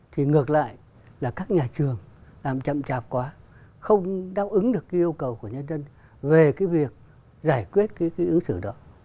thì ngược lại là các nhà trường làm chậm chạp quá không đáp ứng được yêu cầu của nhân dân về việc giải quyết ứng xử đó